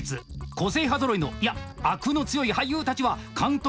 個性派ぞろいのいやあくの強い俳優たちは監督